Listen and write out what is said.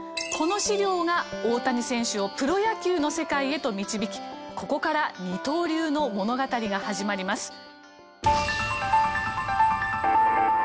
この資料が大谷選手をプロ野球の世界へと導きここから二刀流の物語が始まります。